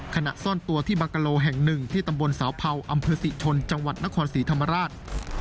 ขณะซ่อนตัวที่บังกะโลแห่งหนึ่งที่ตำบลสาวเผาอำเภอศรีชนจังหวัดนครศรีธรรมราช